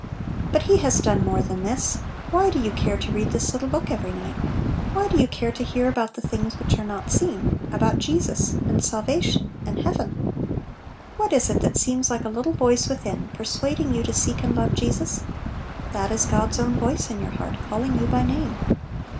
But He has done more than this. Why do you care to read this little book every night ? why do you care to hear about the things which are " not seen/ 1 — about Jesus, and salvation, and heaven? What is it that seems like a little voice within, persuading you to seek and love Jesus? That is God's own voice in your heart, calling you by name